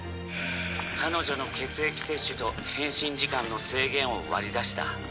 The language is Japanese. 彼女の血液摂取と変身時間の制限を割り出した。